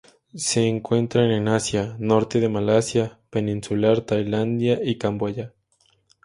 Se encuentran en Asia: norte de Malasia peninsular Tailandia y Camboya.